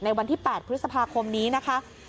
วันที่๘พฤษภาคมนี้นะคะ